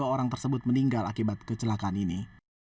enam puluh dua orang tersebut meninggal akibat kecelakaan ini